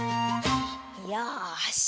よし！